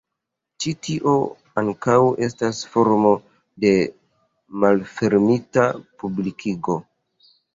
Ĉi tio ankaŭ estas formo de malfermita publikigo.